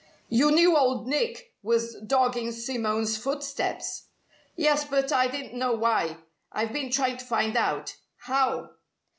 "You knew Old Nick was dogging Simone's footsteps?" "Yes, but I didn't know why. I've been trying to find out." "How?"